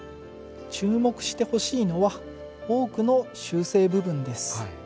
注目してほしいのは多くの修正部分です。